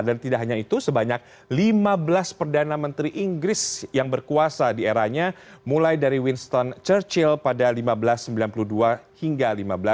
dan tidak hanya itu sebanyak lima belas perdana menteri inggris yang berkuasa di eranya mulai dari winston churchill pada seribu lima ratus sembilan puluh dua hingga seribu sembilan ratus lima puluh lima